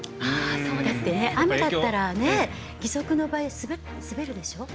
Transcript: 雨だったら義足の場合滑るでしょ。